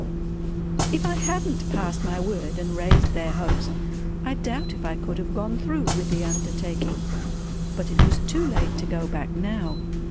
If I hadn't passed my word and raised their hopes, I doubt if I could have gone through with the undertaking but it was too late to go back now.